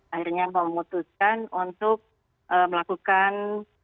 akhirnya memutuskan untuk melakukan